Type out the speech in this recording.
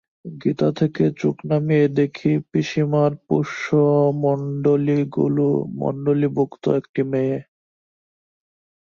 গীতা থেকে চোখ নামিয়ে দেখি, পিসিমার পোষ্যমণ্ডলীভুক্ত একটি মেয়ে।